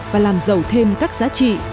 và làm giàu thêm các giá trị